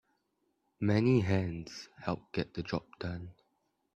Many hands help get the job done.